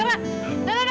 nara nara nara